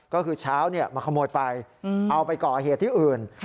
ก็คือเช้ามาขโมยไปเอาไปก่อเหตุที่อื่น